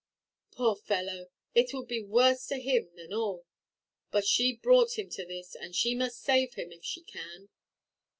"Poor fellow; it will be worse to him than all. But she brought him to this, and she must save him if she can."